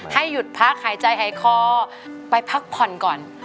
หยุดพักหายใจหายคอไปพักผ่อนก่อน